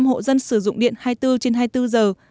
một trăm hộ dân sử dụng điện hai mươi bốn trên hai mươi bốn giờ